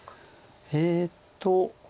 えっと。